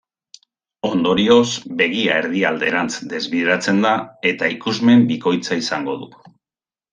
Ondorioz, begia erdialderantz desbideratzen da eta ikusmen bikoitza izango du.